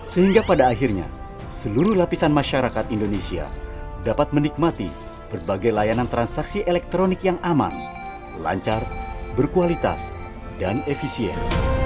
sehingga pada akhirnya seluruh lapisan masyarakat indonesia dapat menikmati berbagai layanan transaksi elektronik yang aman lancar berkualitas dan efisien